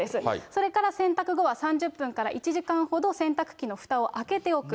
それから洗濯後は３０分から１時間ほど洗濯機のふたを開けておく。